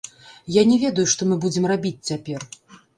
Я не ведаю, што мы будзем рабіць цяпер.